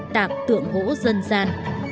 tạc tượng gỗ dân gian